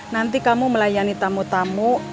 nanti kamu melayani tamu tamu